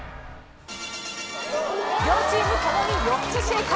両チームともに４つ正解。